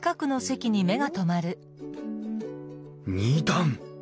２段！